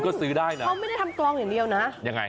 คุณเขาไม่ได้ทำกรองเดียวนะ